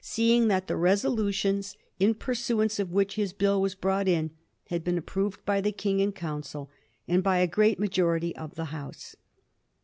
xn, seeing that the resolutions, in pursuance of which his Bill was brought in, had been approved by the King and council, and by a great majority of the House.